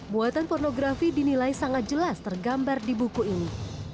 muatan pornografi dinilai sangat jelas tergambar di buku ini